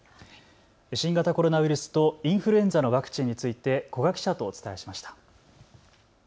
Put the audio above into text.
新型コロナウイルスとインフルエンザのワクチンについて古賀記者とお伝えしました。